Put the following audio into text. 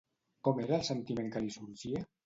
Com era el sentiment que li sorgia?